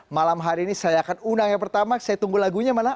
malam hari ini saya akan undang yang pertama saya tunggu lagunya mana